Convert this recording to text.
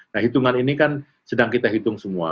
nah hitungan ini kan sedang kita hitung semua